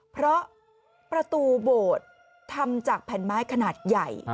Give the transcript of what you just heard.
เพราะประตูโบสถ์ทำจากแผ่นไม้ขนาดใหญ่